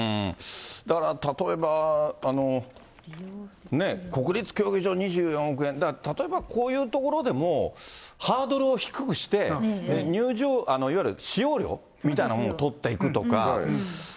だから例えば、国立競技場２４億円、だから例えばこういうところでも、ハードルを低くして、いわゆる使用料みたいなものを取っていくとか。